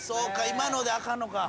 今のであかんのか。